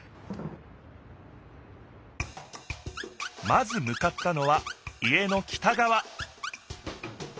まずむかったのは家の北がわ